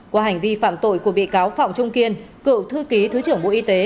qua hành vi phạm tội của bị cáo phạm trung kiên cựu thư ký thứ trưởng bộ y tế